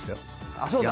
あっそうだ！